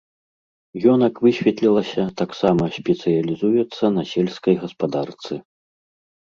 Ён, як высветлілася, таксама спецыялізуецца на сельскай гаспадарцы.